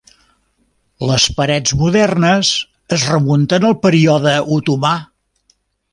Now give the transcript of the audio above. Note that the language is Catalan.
Les parets modernes es remunten al període otomà.